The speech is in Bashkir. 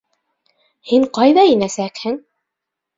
Һин ҡайҙа инәсәкһең?